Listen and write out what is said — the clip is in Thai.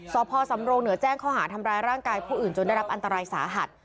สพสำรงเหนือแจ้งข้อหาทำร้ายร่างกายผู้อื่นจนได้รับอันตรายสาหัส